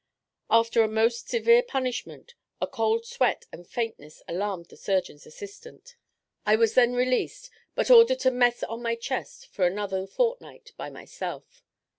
After a most severe punishment, a cold sweat and faintness alarmed the surgeon's assistant. I was then released, but ordered to mess on my chest for a fortnight by myself.